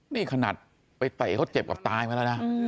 นี่ขนาดไปเตะเขาเจ็บกับตายมาแล้วนะ